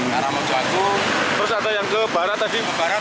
terus ada yang ke barat tadi